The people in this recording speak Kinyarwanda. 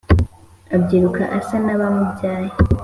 abyiruka asa n’abamubyaye